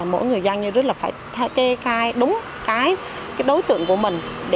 mỗi người gian như rất là phải kết khai đúng cái đối tượng của mình